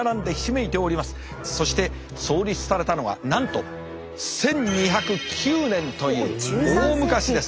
そして創立されたのはなんと１２０９年という大昔です。